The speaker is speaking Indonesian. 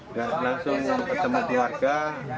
udah langsung ketemu keluarga